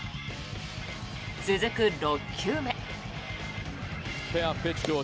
続く６球目。